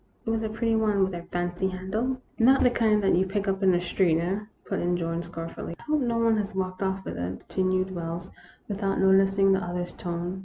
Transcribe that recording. It was a pretty one with a fancy handle." " Not the kind that you pick up in the street, eh ?" put in George, scornfully. " I hope that no one has walked off with it," con tinued Wells, without noticing the other's tone.